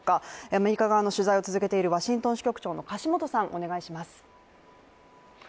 アメリカ側の取材を続けているワシントン支局長の樫元さん、お願いします。